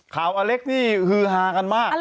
ข่าวอเล็กซ์นี่คือฮากันมาก